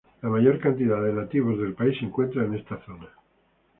La mayor cantidad de nativos del país se encuentran en esta zona.